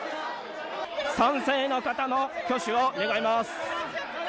賛成の方の挙手を願います。